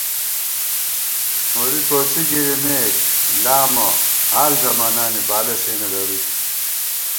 نوری کوڅی گِرِمېک لامہ حال زمانانی بالہ سے نہ درُوئی